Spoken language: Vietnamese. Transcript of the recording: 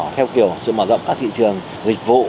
theo kiểu sự mở rộng các thị trường dịch vụ